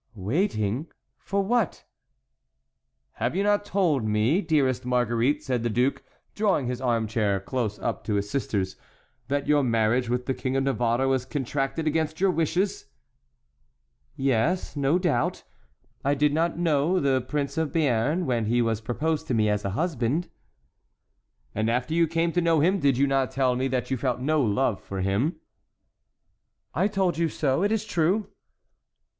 "Waiting! for what?" "Have you not told me, dearest Marguerite," said the duke, drawing his armchair close up to his sister's, "that your marriage with the King of Navarre was contracted against your wishes?" "Yes, no doubt. I did not know the Prince of Béarn when he was proposed to me as a husband." "And after you came to know him, did you not tell me that you felt no love for him?" "I told you so; it is true."